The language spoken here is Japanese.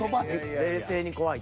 冷静に怖い。